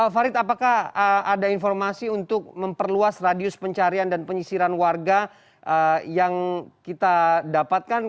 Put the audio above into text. farid apakah ada informasi untuk memperluas radius pencarian dan penyisiran warga yang kita dapatkan